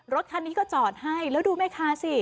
รถคันนี้ก็จอดให้แล้วดูแม่ค้าสิ